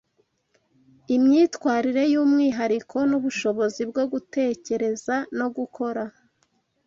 Imyitwarire y’umwihariko n’ubushobozi bwo gutekereza no gukora